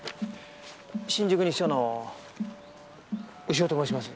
新宿西署の牛尾と申します。